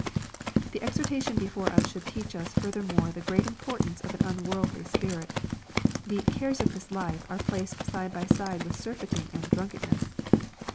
The exhortation before us should teach us furthermore the great importance of an unworldly spirit. The " cares of this life" are placed side by side with surfeiting and dninkenness.